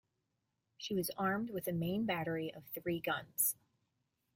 She was armed with a main battery of three guns.